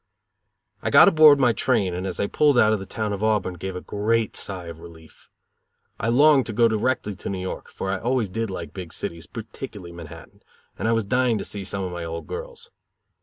I got aboard my train, and as I pulled out of the town of Auburn gave a great sigh of relief. I longed to go directly to New York, for I always did like big cities, particularly Manhattan, and I was dying to see some of my old girls.